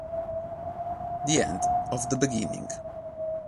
The End of the Beginning